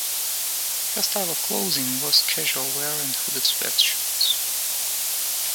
Her style of clothing was casual wear and hooded sweat shirts.